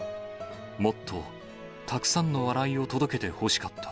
もっと、たくさんの笑いを届けてほしかった。